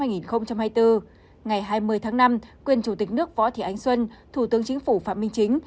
ngày hai mươi tháng năm quyền chủ tịch nước võ thị ánh xuân thủ tướng chính phủ phạm minh chính